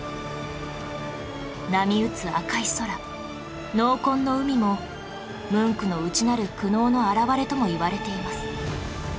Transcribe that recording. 波打つ赤い空濃紺の海もムンクの内なる苦悩の表れともいわれています